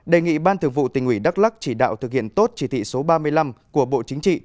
đề nghị ban thường vụ tỉnh ủy đắk lắc chỉ đạo thực hiện tốt chỉ thị số ba mươi năm của bộ chính trị